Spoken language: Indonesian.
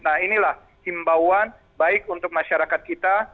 nah inilah himbauan baik untuk masyarakat kita